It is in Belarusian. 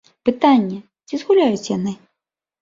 Пытанне, ці згуляюць яны.